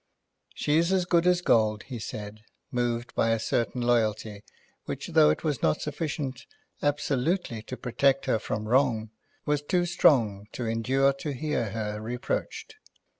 "She is as good as gold," he said, moved by a certain loyalty which, though it was not sufficient absolutely to protect her from wrong, was too strong to endure to hear her reproached.